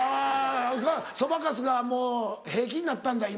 そばかすがもう平気になったんだ今。